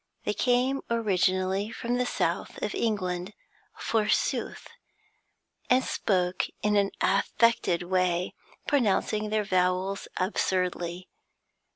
They came originally from the south of England, forsooth, and spoke in an affected way, pronouncing their vowels absurdly.